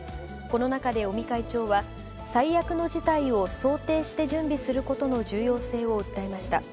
この中で尾身会長は、最悪の事態を想定して準備することの重要性を訴えました。